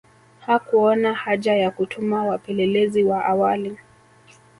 Hakuona haja ya kutuma wapelelezi wa awali